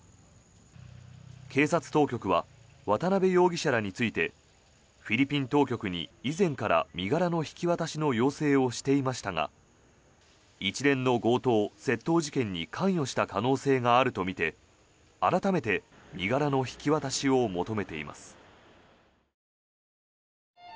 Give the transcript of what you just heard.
警察当局は渡邉容疑者らについてフィリピン当局に以前から身柄の引き渡しの要請をしていましたが一連の強盗・窃盗事件に関与した可能性があるとみて改めて身柄の引き渡しを求めています。